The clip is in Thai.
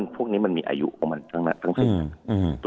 พวกนี้มันมีอายุของมันต้องผลิต